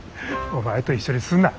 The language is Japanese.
お前と一緒にすんな。